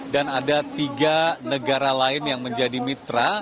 dan ada tiga negara lain yang menjadi mitra